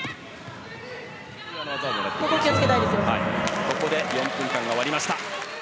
ここ、ここで４分間が終わりました。